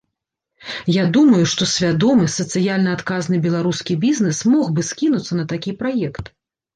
Я думаю, што свядомы, сацыяльна адказны беларускі бізнес мог бы скінуцца на такі праект.